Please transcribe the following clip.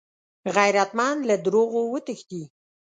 غیرتمند له دروغو وتښتي